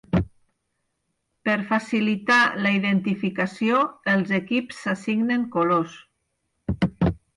Per facilitar la identificació, els equips s'assignen colors.